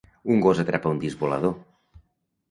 Un gos atrapa un disc volador.